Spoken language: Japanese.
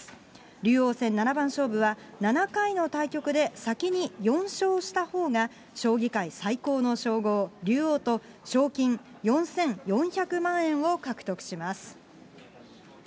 竜王戦七番勝負は、７回の対局で先に４勝したほうが、将棋界最高の称号、竜王と、賞金４４００万円を獲得します。